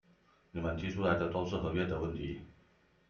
你們提出來的都是合約的問題